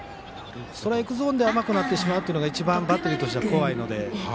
ストライクゾーンで甘くなってしまうというのが一番、バッテリーとしては怖いので。